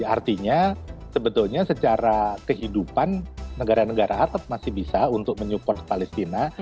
artinya sebetulnya secara kehidupan negara negara arab masih bisa untuk menyupport palestina